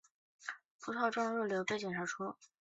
葡萄状肉瘤中被检查出。